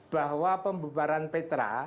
bahwa pembubaran petra